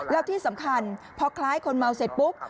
แล้วที่สำคัญพอคล้ายคนเมาเสร็จปุ๊บ